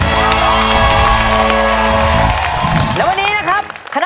ต้องติดตามชมต่อในรองได้ยกกำลังซ่ะ